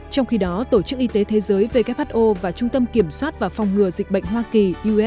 trong khi đó tổ chức y tế thế giới who và trung tâm kiểm soát và phòng ngừa dịch bệnh hoa kỳ